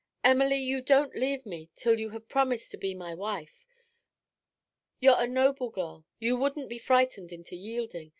Emily, you don't leave me till you have promised to be my wife. You're a noble girl. You wouldn't be frightened into yielding.